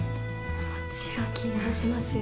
もちろん緊張しますよ。